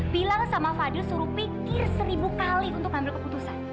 bilang sama fadli suruh pikir seribu kali untuk ngambil keputusan